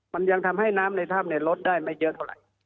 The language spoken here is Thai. มันยังทำให้น้ำในถ้ำลดได้ไม่เยอะเท่าไหร่